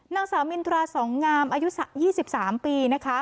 นางสาวมินทราสองงามอายุ๒๓ปีนะคะ